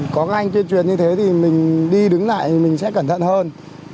có các anh tuyên truyền như thế thì mình đi đứng lại thì mình sẽ cẩn thận hơn